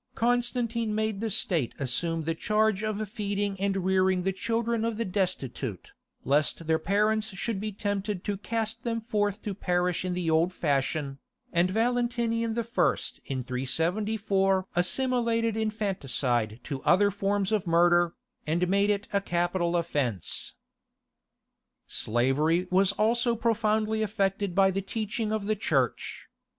Constantine made the State assume the charge of feeding and rearing the children of the destitute, lest their parents should be tempted to cast them forth to perish in the old fashion, and Valentinian I. in 374 assimilated infanticide to other forms of murder, and made it a capital offence. Slavery was also profoundly affected by the teaching of the Church.